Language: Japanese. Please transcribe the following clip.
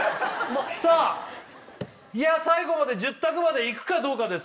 最後まで１０択までいくかどうかです